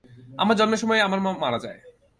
আমার জন্মের সময়ই আমার মা মারা যায়।